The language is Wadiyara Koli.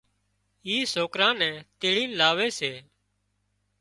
اي سوڪران نين تيڙين لاوي سي۔